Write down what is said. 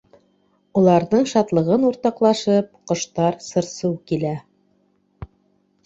Уларҙың шатлығын уртаҡлашып, ҡоштар сыр-сыу килә.